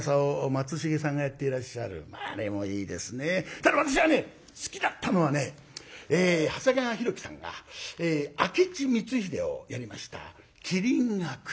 ただ私はね好きだったのはね長谷川博己さんが明智光秀をやりました「麒麟がくる」。